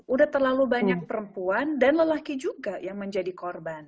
udah terlalu banyak perempuan dan lelaki juga yang menjadi korban